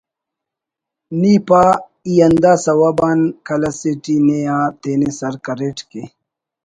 نی پا ای ہندا سوب آن کلہ سے ٹی نے آ تینے سر کریٹ کہ